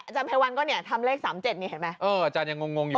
ภัยวันก็เนี่ยทำเลข๓๗นี่เห็นไหมเอออาจารย์ยังงงอยู่